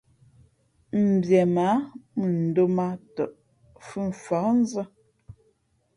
Mbie mǎ mʉndōm ā tαꞌ fhʉ̄ mfα̌hnzά.